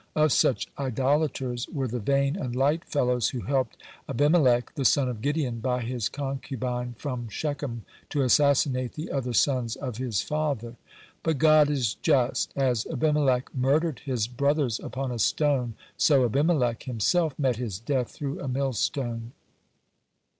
(102) Of such idolaters were the vain and light fellows who helped Abimelech, the son of Gideon by his concubine from Shechem, to assassinate the other sons of his father. But God is just. As Abimelech murdered his brothers upon a stone, so Abimelech himself met his death through a millstone.